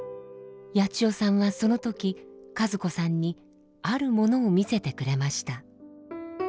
ヤチヨさんはその時和子さんにあるものを見せてくれました。